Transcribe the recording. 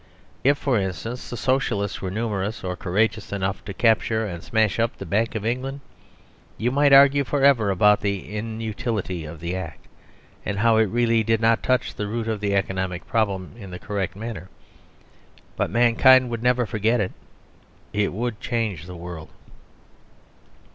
If, for instance, the Socialists were numerous or courageous enough to capture and smash up the Bank of England, you might argue for ever about the inutility of the act, and how it really did not touch the root of the economic problem in the correct manner. But mankind would never forget it. It would change the world.